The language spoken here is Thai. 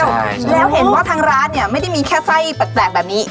ใช่แล้วเห็นว่าทางร้านเนี่ยไม่ได้มีแค่ไส้แปลกแบบนี้